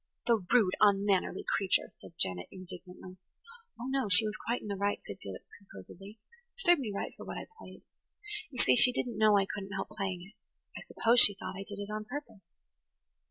"The rude, unmannerly creature!" said Janet indignantly. "Oh, no, she was quite in the right," said Felix composedly. "It served me right for what I [Page 101] played. You see, she didn't know I couldn't help playing it. I suppose she thought I did it on purpose."